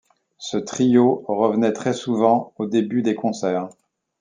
Ce trio revenait très souvent au début des concerts.